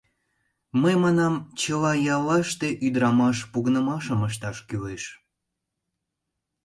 Мый манам, чыла яллаште ӱдырамаш погынымашым ышташ кӱлеш.